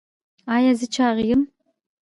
ایا زه چاغ یم؟